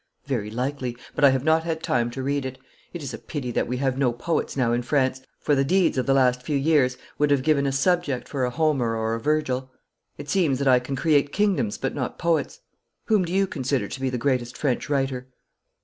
'Very likely, but I have not had time to read it. It is a pity that we have no poets now in France, for the deeds of the last few years would have given a subject for a Homer or a Virgil. It seems that I can create kingdoms but not poets. Whom do you consider to be the greatest French writer?'